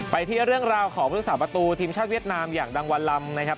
ไปที่เรื่องราวของพุทธศาสประตูทีมชาติเวียดนามอย่างดังวันลำนะครับ